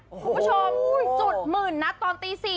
คุณผู้ชมจุด๑๐๐๐๐นัทตอนตี๔